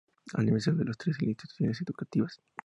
Aniversario de las tres Instituciones Educativas.